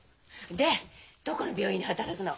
でどこの病院で働くの？